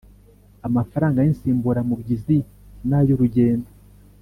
Amafaranga y insimburamubyizi n ay urugendo